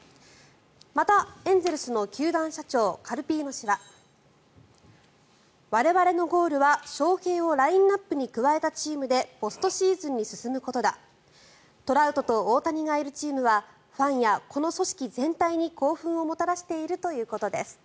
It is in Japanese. また、エンゼルスの球団社長カルピーノ氏は我々のゴールは、ショウヘイをラインアップに加えたチームでポストシーズンに進むことだトラウトと大谷がいるチームはファンやこの組織全体に興奮をもたらしているということです。